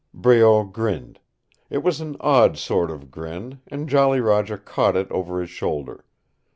Breault grinned. It was an odd sort of grin, and Jolly Roger caught it over his shoulder.